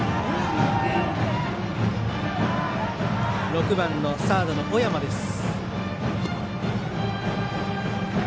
６番のサードの尾山です。